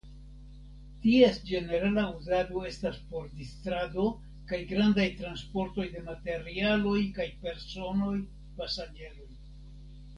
Ties ĝenerala uzado estas por distrado kaj grandaj transportoj de materialoj kaj personoj (pasaĝeroj).